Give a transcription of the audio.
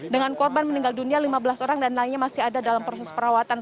dengan korban meninggal dunia lima belas orang dan lainnya masih ada dalam proses perawatan